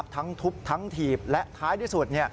ทั้งทุบทั้งถีบและท้ายที่สุด